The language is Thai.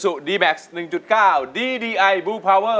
สู้